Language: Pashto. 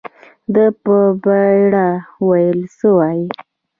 ده په بيړه وويل څه وايې.